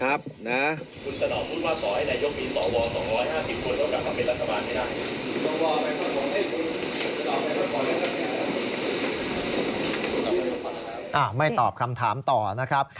ไม่ตอบคำถามต่อนะครับ